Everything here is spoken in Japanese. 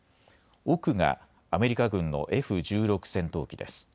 多くがアメリカ軍のＦ１６戦闘機です。